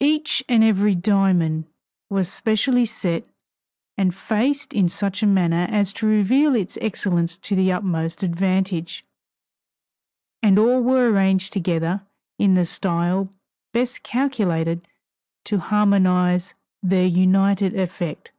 Each and every diamond was specially set and faced in such manner as to reveal its excellence to the utmost advantage, and all were arranged together in the style best calculated to harmonize their united effect.